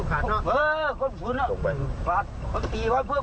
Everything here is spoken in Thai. ก็สูงขึ้นอ่ะคุณเออสูงทีค่ะปื๊บ